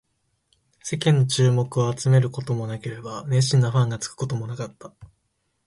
世間の注目を集めることもなければ、熱心なファンがつくこともなかった